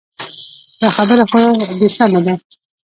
دا خبره خو دې سمه ده.